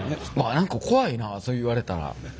何か怖いなそう言われたら。